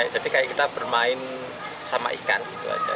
jadi kayak kita bermain sama ikan gitu aja